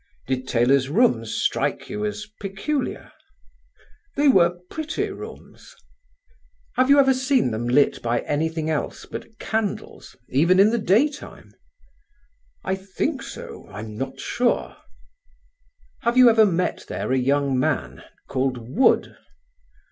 "Did Taylor's rooms strike you as peculiar?" "They were pretty rooms." "Have you ever seen them lit by anything else but candles even in the day time?" "I think so. I'm not sure." "Have you ever met there a young man called Wood?"